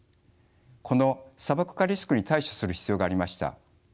この砂漠化リスクに対処する必要がありました。